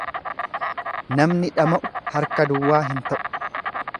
Namni dhama'u harka duwwaa hin ta'u.